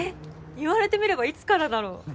言われてみればいつからだろう。